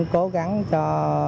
cố gắng cho